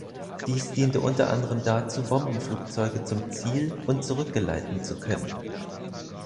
Dies diente unter anderem dazu, Bombenflugzeuge zum Ziel und zurück geleiten zu können.